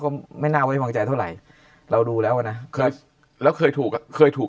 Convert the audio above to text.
ก็ไม่น่าไว้มองใจเท่าไหร่เราดูแล้วนะแล้วเคยถูกเคยถูก